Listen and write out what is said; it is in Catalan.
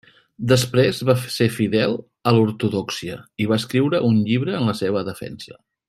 Després va ser fidel a l'ortodòxia i va escriure un llibre en la seva defensa.